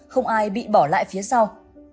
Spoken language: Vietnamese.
không ai bị bỏ lại phía sau